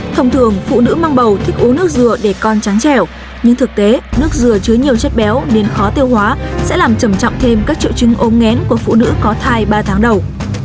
thông thường phụ nữ mang bầu thích uống nước dừa để con trắng trẻo nhưng thực tế nước dừa chứa nhiều chất béo nên khó tiêu hóa sẽ làm trầm trọng thêm các triệu chứng ôm ngén của phụ nữ có thai ba tháng đầu